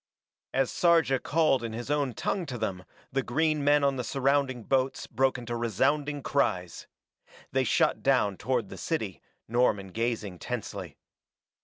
As Sarja called in his own tongue to them the green men on the surrounding boats broke into resounding cries. They shot down toward the city, Norman gazing tensely.